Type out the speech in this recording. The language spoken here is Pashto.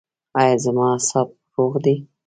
ایا زما اعصاب روغ دي؟